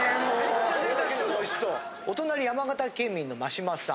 お隣山形県民の眞島さん。